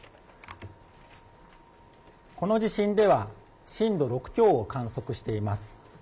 この地震では震度６強を観測しています。